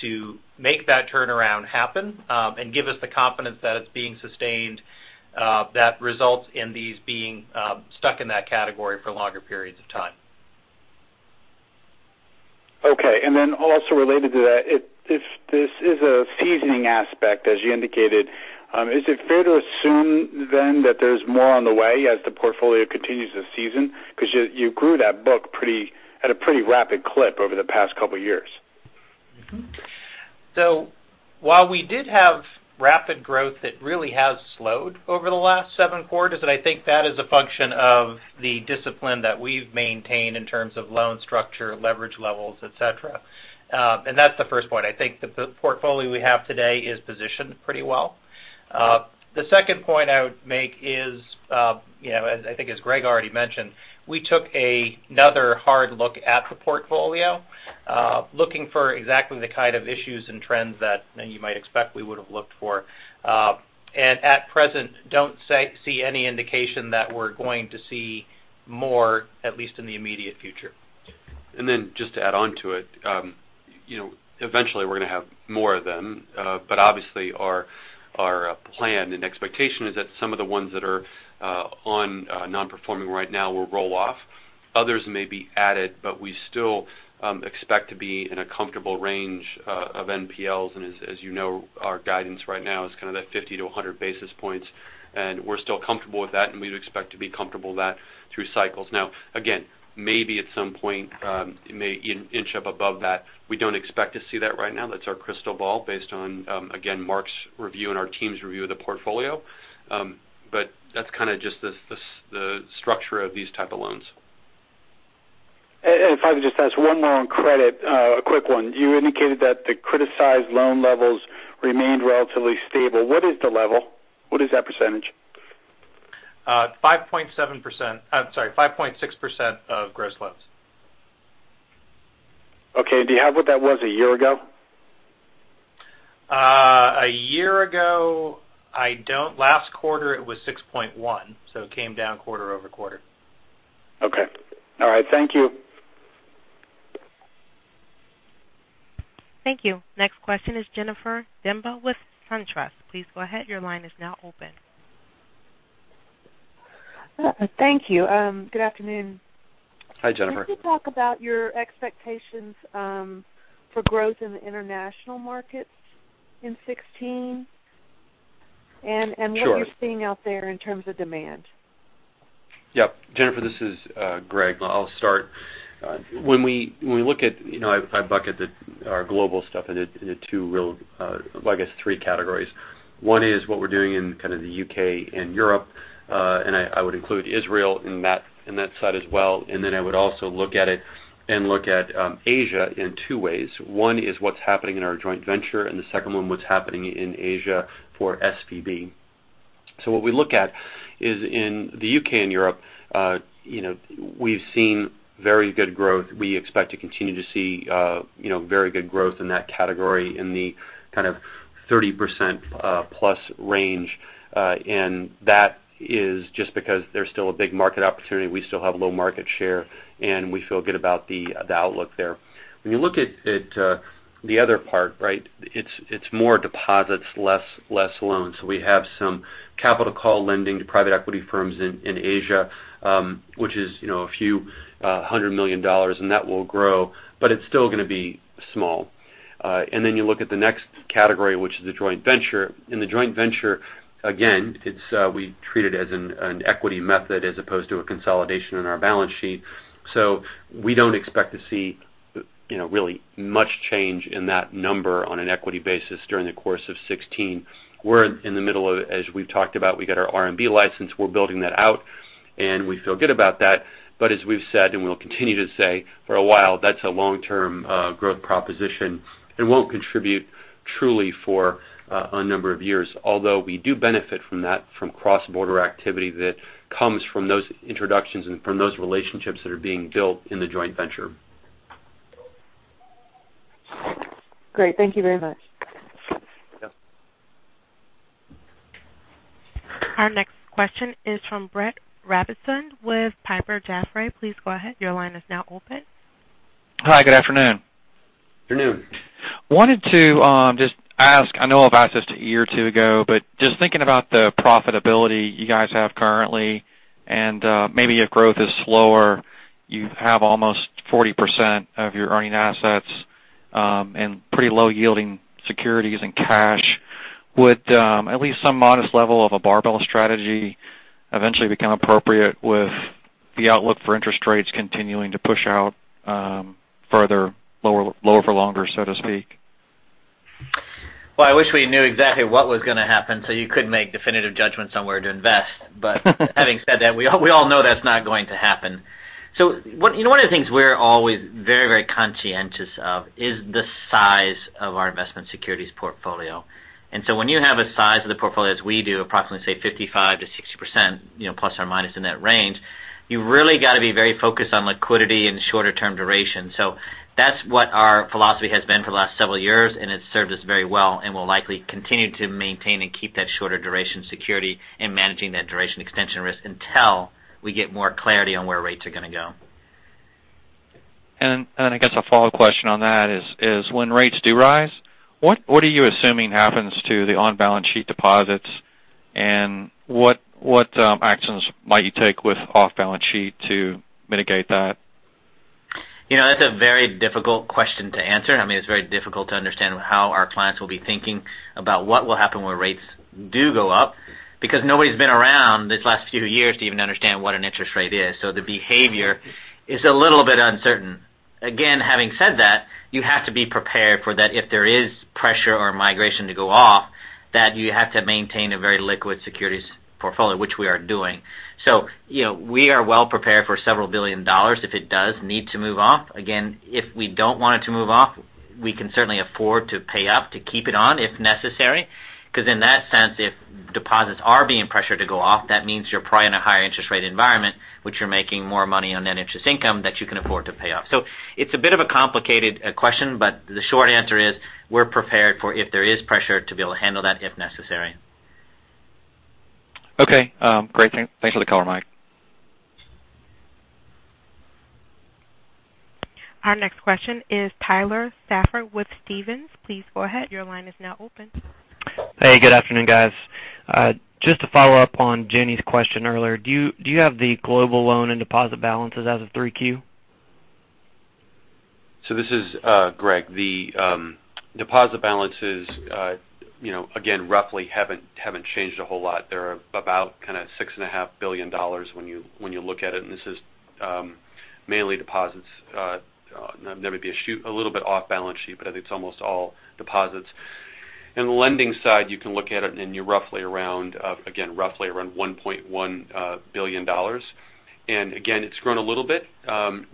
S8: to make that turnaround happen and give us the confidence that it's being sustained that results in these being stuck in that category for longer periods of time.
S12: Okay. Also related to that, if this is a seasoning aspect, as you indicated, is it fair to assume that there's more on the way as the portfolio continues to season? Because you grew that book at a pretty rapid clip over the past couple of years.
S8: While we did have rapid growth, it really has slowed over the last seven quarters. I think that is a function of the discipline that we've maintained in terms of loan structure, leverage levels, et cetera. That's the first point. I think that the portfolio we have today is positioned pretty well. The second point I would make is, I think as Greg already mentioned, we took another hard look at the portfolio looking for exactly the kind of issues and trends that you might expect we would've looked for. At present, don't see any indication that we're going to see more, at least in the immediate future.
S3: Just to add onto it, eventually we're going to have more of them. Obviously our plan and expectation is that some of the ones that are on non-performing right now will roll off. Others may be added, but we still expect to be in a comfortable range of NPLs. As you know, our guidance right now is kind of that 50 to 100 basis points, and we're still comfortable with that, and we'd expect to be comfortable with that through cycles. Now, again, maybe at some point, it may inch up above that. We don't expect to see that right now. That's our crystal ball based on, again, Marc's review and our team's review of the portfolio. That's kind of just the structure of these type of loans.
S12: If I could just ask one more on credit, a quick one. You indicated that the criticized loan levels remained relatively stable. What is the level? What is that percentage?
S8: 5.6% of gross loans.
S12: Okay. Do you have what that was a year ago?
S8: A year ago, I don't. Last quarter it was 6.1, so it came down quarter-over-quarter.
S12: Okay. All right. Thank you.
S1: Thank you. Next question is Jennifer Demba with SunTrust. Please go ahead. Your line is now open.
S13: Thank you. Good afternoon.
S3: Hi, Jennifer.
S13: Can you talk about your expectations for growth in the international markets in 2016?
S3: Sure.
S13: What you're seeing out there in terms of demand.
S3: Yep. Jennifer, this is Greg. I'll start. I bucketed our global stuff into two real, well, I guess three categories. One is what we're doing in kind of the U.K. and Europe. I would include Israel in that side as well, I would also look at it and look at Asia in two ways. One is what's happening in our joint venture, and the second one, what's happening in Asia for SVB. What we look at is in the U.K. and Europe, we've seen very good growth. We expect to continue to see very good growth in that category in the kind of 30%-plus range. That is just because there's still a big market opportunity. We still have low market share, and we feel good about the outlook there. When you look at the other part, right? It's more deposits, less loans. We have some capital call lending to private equity firms in Asia, which is a few hundred million USD, that will grow, but it's still going to be small. You look at the next category, which is the joint venture. In the joint venture, again, we treat it as an equity method as opposed to a consolidation on our balance sheet. We don't expect to see really much change in that number on an equity basis during the course of 2016. We're in the middle of it. As we've talked about, we got our RMB license. We're building that out, we feel good about that. As we've said, we'll continue to say, for a while, that's a long-term growth proposition won't contribute truly for a number of years. Although we do benefit from that, from cross-border activity that comes from those introductions and from those relationships that are being built in the joint venture.
S13: Great. Thank you very much.
S3: Yep.
S1: Our next question is from Brett Robinson with Piper Jaffray. Please go ahead. Your line is now open.
S14: Hi, good afternoon.
S3: Afternoon.
S14: Wanted to just ask, I know I've asked this a year or two ago, but just thinking about the profitability you guys have currently, and maybe if growth is slower, you have almost 40% of your earning assets in pretty low yielding securities and cash. Would at least some modest level of a barbell strategy eventually become appropriate with the outlook for interest rates continuing to push out further, lower for longer, so to speak?
S3: Well, I wish we knew exactly what was going to happen so you could make definitive judgments on where to invest. Having said that, we all know that's not going to happen. One of the things we're always very, very conscientious of is the size of our investment securities portfolio. When you have a size of the portfolio as we do, approximately, say, 55%-60%, plus or minus in that range, you really got to be very focused on liquidity and shorter term duration. That's what our philosophy has been for the last several years, and it's served us very well and we'll likely continue to maintain and keep that shorter duration security and managing that duration extension risk until we get more clarity on where rates are going to go.
S14: I guess a follow question on that is when rates do rise, what are you assuming happens to the on-balance sheet deposits, and what actions might you take with off-balance sheet to mitigate that?
S3: That's a very difficult question to answer. I mean, it's very difficult to understand how our clients will be thinking about what will happen when rates do go up because nobody's been around these last few years to even understand what an interest rate is. The behavior is a little bit uncertain. Again, having said that, you have to be prepared for that if there is pressure or migration to go off, that you have to maintain a very liquid securities portfolio, which we are doing. We are well prepared for several billion dollars if it does need to move off. Again, if we don't want it to move off, we can certainly afford to pay up to keep it on if necessary. Because in that sense, if deposits are being pressured to go off, that means you're probably in a higher interest rate environment, which you're making more money on net interest income that you can afford to pay off. It's a bit of a complicated question, but the short answer is we're prepared for if there is pressure to be able to handle that if necessary.
S14: Okay. Great. Thanks for the color, Mike.
S1: Our next question is Tyler Stafford with Stephens. Please go ahead. Your line is now open.
S15: Hey, good afternoon, guys. Just to follow up on Jenny's question earlier, do you have the global loan and deposit balances as of 3Q?
S3: This is Greg. The deposit balances again, roughly haven't changed a whole lot. They're about kind of $6.5 billion when you look at it, and this is mainly deposits. There may be a little bit off-balance sheet, but it's almost all deposits. In the lending side, you can look at it and you're roughly around, again, roughly around $1.1 billion. Again, it's grown a little bit.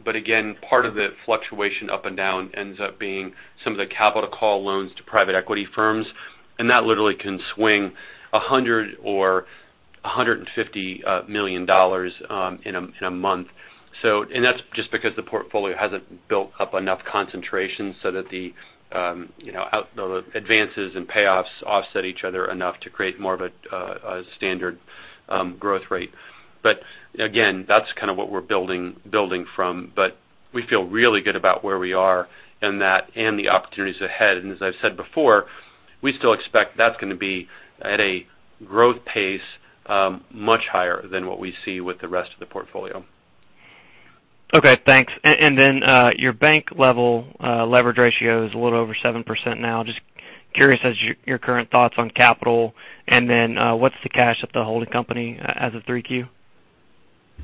S3: Again, part of the fluctuation up and down ends up being some of the capital call loans to private equity firms, and that literally can swing $100 million or $150 million in a month. That's just because the portfolio hasn't built up enough concentration so that the advances and payoffs offset each other enough to create more of a standard growth rate. Again, that's kind of what we're building from. We feel really good about where we are and the opportunities ahead. As I've said before, we still expect that's going to be at a growth pace much higher than what we see with the rest of the portfolio.
S15: Okay, thanks. Your bank-level leverage ratio is a little over 7% now. Just curious as your current thoughts on capital, and what's the cash at the holding company as of 3Q?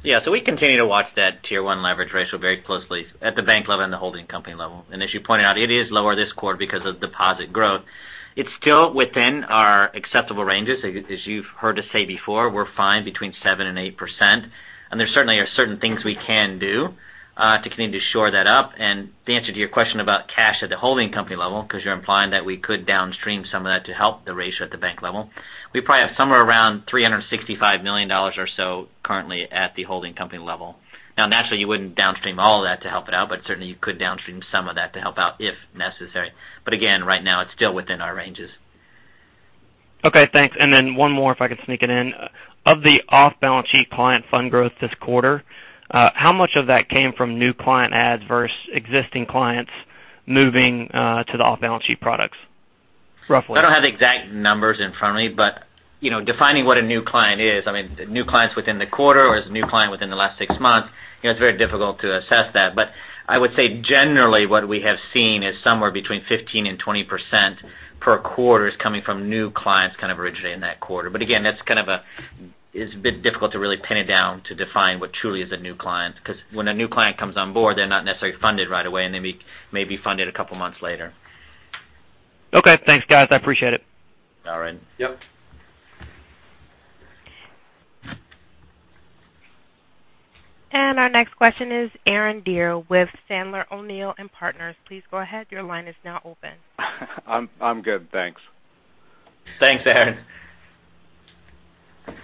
S4: Yeah. We continue to watch that Tier 1 leverage ratio very closely at the bank level and the holding company level. As you pointed out, it is lower this quarter because of deposit growth. It's still within our acceptable ranges. As you've heard us say before, we're fine between 7% and 8%, and there certainly are certain things we can do to continue to shore that up. To answer your question about cash at the holding company level, because you're implying that we could downstream some of that to help the ratio at the bank level, we probably have somewhere around $365 million or so currently at the holding company level. Now, naturally, you wouldn't downstream all of that to help it out, but certainly you could downstream some of that to help out if necessary. Again, right now it's still within our ranges.
S13: Okay, thanks. One more, if I could sneak it in. Of the off-balance sheet client fund growth this quarter, how much of that came from new client adds versus existing clients moving to the off-balance sheet products, roughly?
S4: I don't have the exact numbers in front of me, defining what a new client is, new clients within the quarter or is it a new client within the last 6 months, it's very difficult to assess that. I would say generally what we have seen is somewhere between 15% and 20% per quarter is coming from new clients kind of originating in that quarter. Again, it's a bit difficult to really pin it down to define what truly is a new client, because when a new client comes on board, they're not necessarily funded right away, and they may be funded a couple of months later.
S15: Okay. Thanks, guys. I appreciate it.
S4: All right.
S3: Yep.
S1: Our next question is Aaron Deer with Sandler O'Neill & Partners. Please go ahead. Your line is now open.
S16: I'm good, thanks.
S4: Thanks, Aaron.
S1: All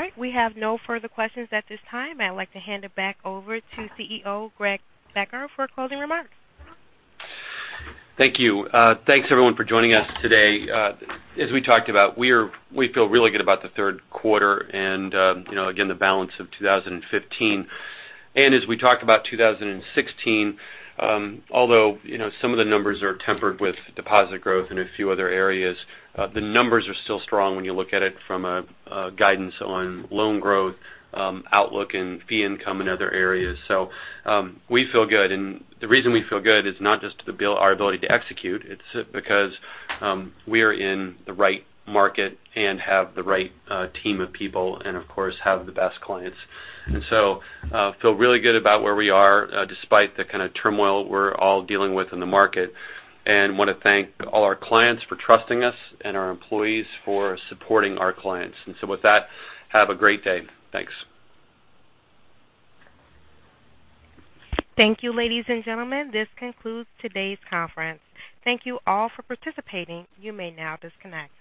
S1: right. We have no further questions at this time. I'd like to hand it back over to CEO Greg Becker for closing remarks.
S3: Thank you. Thanks everyone for joining us today. As we talked about, we feel really good about the third quarter and again, the balance of 2015. As we talked about 2016, although some of the numbers are tempered with deposit growth in a few other areas, the numbers are still strong when you look at it from a guidance on loan growth outlook and fee income in other areas. We feel good, and the reason we feel good is not just our ability to execute, it's because we are in the right market and have the right team of people and of course, have the best clients. Feel really good about where we are despite the kind of turmoil we're all dealing with in the market, and want to thank all our clients for trusting us and our employees for supporting our clients. With that, have a great day. Thanks.
S1: Thank you, ladies and gentlemen. This concludes today's conference. Thank you all for participating. You may now disconnect.